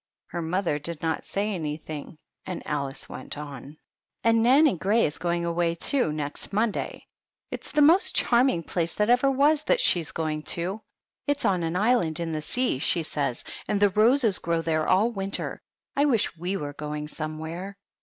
Her mother did not say anything, and went on, — PEGGY THE PIG. 11 "And Nanny Grey is going away, too, next Monday. It's the most charming place that ever was, that she is going to. It's on an island in the sea, she says, and the roses grow there all winter. I wish we were going somewhere."